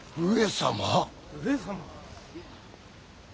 上様？